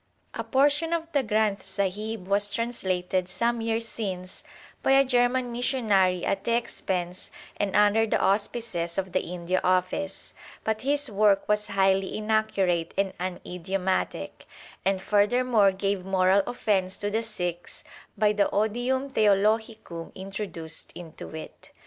A portion of the Granth Sahib was translated some years since by a German missionary at the expense and under the auspices of the India Office, but his work was highly inaccurate and unidiomatic, and furthermore gave mortal offence to the Sikhs by the odium theologicum introduced into it.